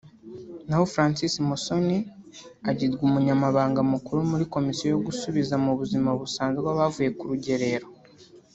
naho Francis Musoni agirwa Umunyamabanga Mukuru muri Komisiyo yo gusubiza mu buzima busanzwe abavuye ku rugerero